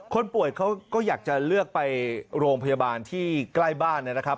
คนป่วยเขาก็อยากจะเลือกไปโรงพยาบาลที่ใกล้บ้านนะครับ